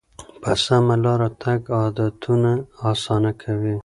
په سمه لاره تګ عادتونه اسانه کوي.